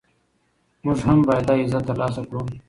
موږ هم باید دا عزت ترلاسه کړو.